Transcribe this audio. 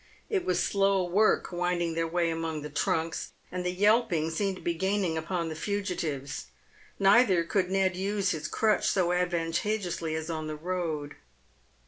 It was slow work winding their way among the trunks, and the yelping seemed to be gaining upon the fugitives. Neither could Ned use his crutch so advan tageously as on the road.